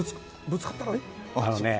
ぶつかったら？